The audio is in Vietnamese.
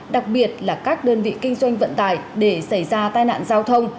đặc biệt là các đơn vị kinh doanh vận tải để xảy ra tai nạn giao thông